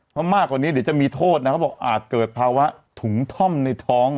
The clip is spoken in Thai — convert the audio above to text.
เพราะมากกว่านี้เดี๋ยวจะมีโทษนะเขาบอกอาจเกิดภาวะถุงท่อมในท้อง